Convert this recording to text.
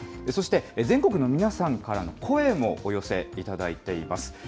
そして、全国の皆さんからの声もお寄せいただいています。